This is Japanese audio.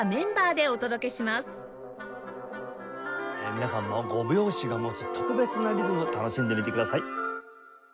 皆さんも５拍子が持つ特別なリズム楽しんでみてください。